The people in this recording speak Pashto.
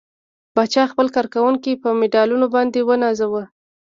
پاچا خپل کارکوونکي په مډالونو باندې ونازوه.